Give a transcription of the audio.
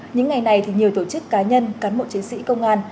những ngày này thì nhiều tổ chức cá nhân cán bộ chiến sĩ công an